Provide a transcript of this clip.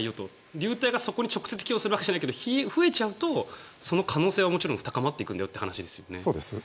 流体がそこに直接寄与するわけじゃないけど増えちゃうとその可能性はもちろん高まっていくんだよというそうです。